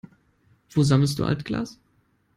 Wo sammelst du Altglas?